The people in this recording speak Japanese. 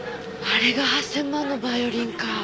あれが８０００万のバイオリンか。